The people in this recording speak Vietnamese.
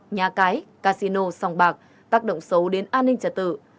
nhà cái casino song bạc tác động xấu đến an ninh trả tự